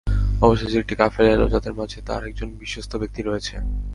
অবশেষে একটি কাফেলা এল যাদের মাঝে তার একজন বিশ্বস্ত ব্যক্তি রয়েছে।